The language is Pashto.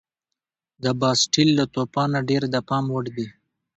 د باسټیل له توپانه ډېر د پام وړ دي.